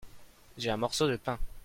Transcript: J'ai un morceau de pain.